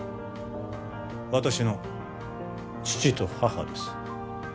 私の父と母です